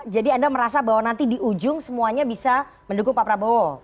jadi anda merasa bahwa nanti di ujung semuanya bisa mendukung pak prabowo